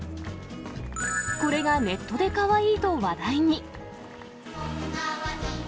これがネットでかわいいと話題に。